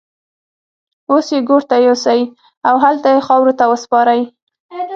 اوس يې ګور ته يوسئ او هلته يې خاورو ته وسپارئ.